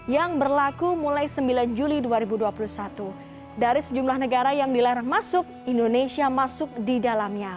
yang berlaku mulai sembilan juli dua ribu dua puluh satu dari sejumlah negara yang dilarang masuk indonesia masuk di dalamnya